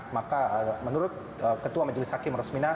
maka menurut ketua majelis hakim rosmina